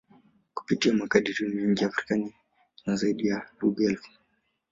Kupitia makadirio mengi, Afrika ina zaidi ya lugha elfu.